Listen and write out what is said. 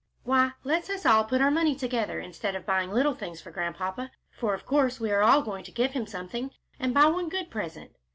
"Why, let's us all put our money together instead of buying little things for Grandpapa, for of course we are all going to give him something, and buy one good present."